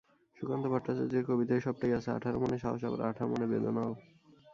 সুকান্ত ভট্টাচার্যের কবিতায় সবটাই আছে, আঠারো মানে সাহস, আবার আঠারো মানে বেদনাও।